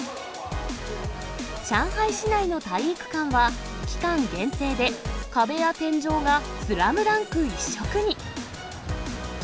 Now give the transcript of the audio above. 上海市内の体育館は、期間限定で、壁や天井がスラムダンク一色に。